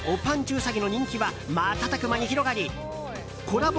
うさぎの人気は瞬く間に広がりコラボ